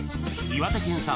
岩手県産